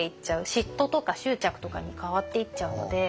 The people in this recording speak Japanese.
嫉妬とか執着とかに変わっていっちゃうので。